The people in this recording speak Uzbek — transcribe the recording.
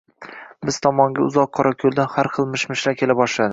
Biz tomonga uzoq Qorako‘ldan har xil mish-mishlar kela boshladi.